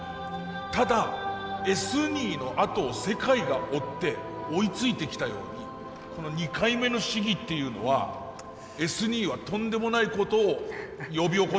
ただＳニーのあとを世界が追って追いついてきたようにこの２回目の試技っていうのはＳニーはとんでもないことを呼び起こしたような気もします。